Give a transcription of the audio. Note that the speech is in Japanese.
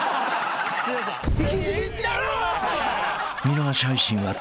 引きちぎってやる！